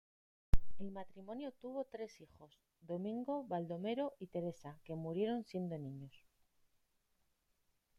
El matrimonio tuvo tres hijos Domingo, Baldomero y Teresa que murieron siendo niños.